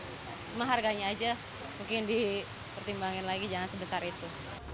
cuma harganya aja mungkin dipertimbangin lagi jangan sebesar itu